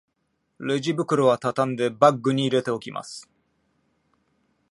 レジ袋はたたんでバッグに入れておきます